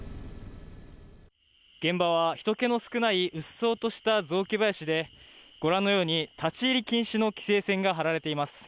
現場はひと気の少ないうっそうとした雑木林で、ご覧のように立ち入り禁止の規制線が張られています。